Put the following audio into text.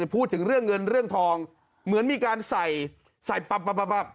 พูดถึงเรื่องเงินเรื่องทองเหมือนมีการใส่ใส่ปับ